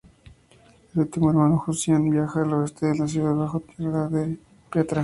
El último hermano, Hussain, viaja al oeste a la ciudad bajo tierra de Petra.